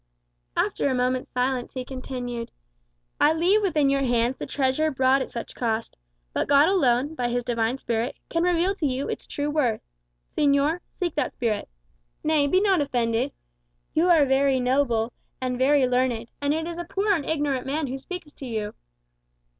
After a moment's silence he continued: "I leave within your hands the treasure brought at such cost. But God alone, by his Divine Spirit, can reveal to you its true worth. Señor, seek that Spirit. Nay, be not offended. You are very noble and very learned; and it is a poor and ignorant man who speaks to you.